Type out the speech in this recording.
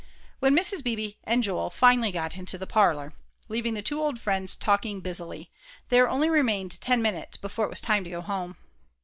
When Mrs. Beebe and Joel finally got into the parlor, leaving the two old friends talking busily, there only remained ten minutes before it was time to go home.